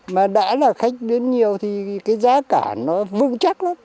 mà đã là khách đến nhiều thì cái giá cả nó vững chắc lắm